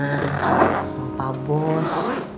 sama pak bos